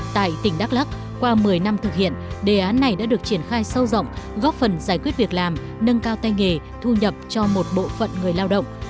tại tỉnh đắk lắc qua một mươi năm thực hiện đề án này đã được triển khai sâu rộng góp phần giải quyết việc làm nâng cao tay nghề thu nhập cho một bộ phận người lao động